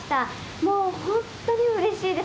もう本当にうれしいです。